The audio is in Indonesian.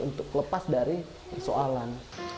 untuk lepas dari persoalan